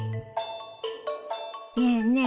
ねえねえ